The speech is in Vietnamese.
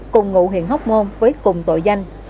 cùng ngụ huyện hóc môn với cùng tội danh